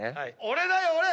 「俺だよ俺！